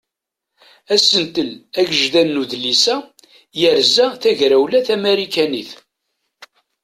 Asentel agejdan n udlis-a yerza tagrawla tamarikanit.